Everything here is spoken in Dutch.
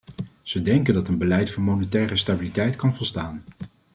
Ze denken dat een beleid van monetaire stabiliteit kan volstaan.